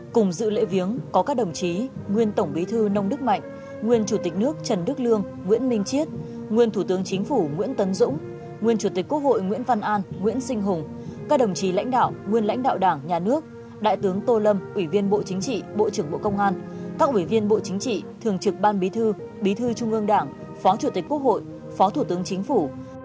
cùng dự lễ viếng có các đồng chí nguyên tổng bí thư nông đức mạnh nguyên chủ tịch nước trần đức lương nguyễn minh chiết nguyên thủ tướng chính phủ nguyễn tấn dũng nguyên chủ tịch quốc hội nguyễn văn an nguyễn sinh hùng các đồng chí lãnh đạo nguyên lãnh đạo đảng nhà nước đại tướng tô lâm ủy viên bộ chính trị bộ trưởng bộ công an các ủy viên bộ chính trị thường trực ban bí thư bí thư trung ương đảng phó chủ tịch quốc hội phó thủ tướng chính phủ